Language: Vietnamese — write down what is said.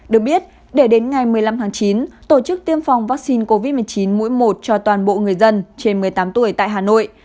được biết để đến ngày một mươi năm tháng chín tổ chức tiêm phòng vaccine covid một mươi chín mũi một cho toàn bộ người dân trên một mươi tám tuổi tại hà nội